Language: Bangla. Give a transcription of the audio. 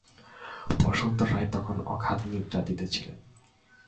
বসন্ত রায় তখন অগাধ নিদ্রা দিতেছিলেন।